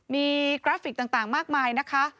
มีกราฟิกต่างมากมายนะคะ